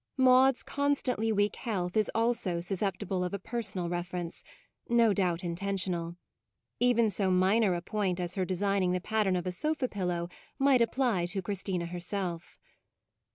Maude's constantly weak health is also sus ceptible of a personal reference, no doubt intentional : even so minor a point as her designing the pattern of a sofa pillow might apply to Christina herself.